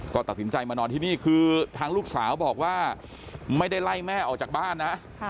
ก็ตัดสินใจมานอนที่นี่คือทางลูกสาวบอกว่าไม่ได้ไล่แม่ออกจากบ้านนะ